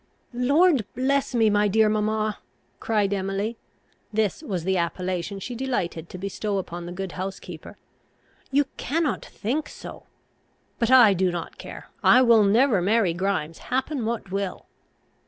"Lord bless me, my dear mamma!" cried Emily, (this was the appellation she delighted to bestow upon the good housekeeper,) "you cannot think so? But I do not care. I will never marry Grimes, happen what will."